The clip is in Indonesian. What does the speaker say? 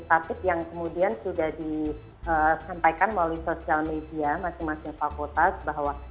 tapi yang kemudian sudah disampaikan melalui sosial media masing masing fakultas bahwa